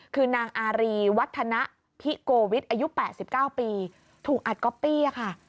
คือนางอารีวัฒนะพิโกวิทย์อายุ๘๙ปีถูกอัดก๊อปปี้ค่ะ